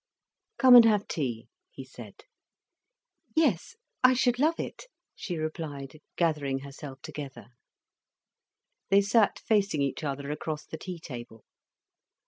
"Come and have tea," he said. "Yes, I should love it," she replied, gathering herself together. They sat facing each other across the tea table.